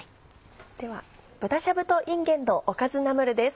では豚しゃぶといんげんのおかずナムルです。